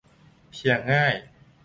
เพียงง่าย